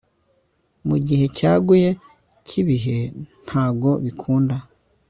Mugihe cyaguye cyibihe ntago bikunda